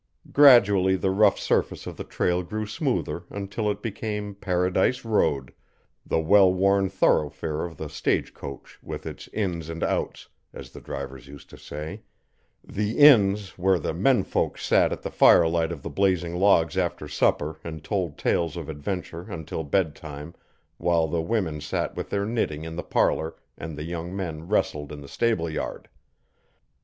Gradually the rough surface of the trail grew smoother until it became Paradise Road the well worn thoroughfare of the stagecoach with its 'inns and outs', as the drivers used to say the inns where the 'men folks' sat in the firelight of the blazing logs after supper and told tales of adventure until bedtime, while the women sat with their knitting in the parlour, and the young men wrestled in the stableyard.